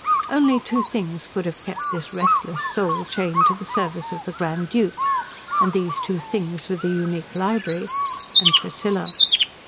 Only two things could have kept this restless soul chained to the service of the Grand Duke, and those two things were the unique library and Priscilla.